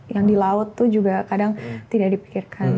yang di laut itu juga kadang tidak dipikirkan